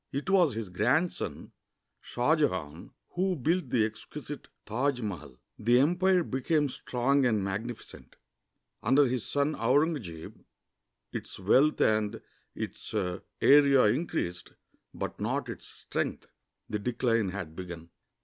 It was his grandson, Shah Jehan, who built the exquisite Taj Mahal. The empire became strong and magnificent. Under his son Aurungzebe its wealth and its area increased, but not its strength. The decline had begim.